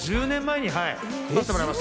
１０年前に、はい。